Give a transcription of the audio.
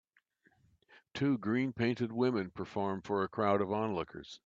Two green painted women perform for a crowd of onlookers.